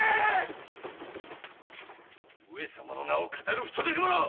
上様の名を騙る不届き者！